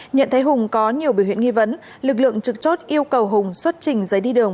nhận thấy hùng có nhiều biểu hiện nghi vấn lực lượng trực chốt yêu cầu hùng xuất trình giấy đi đường